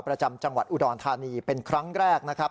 ประจำจังหวัดอุดรธานีเป็นครั้งแรกนะครับ